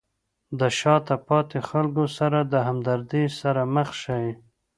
د شاته پاتې خلکو سره د همدردۍ سره مخ شئ.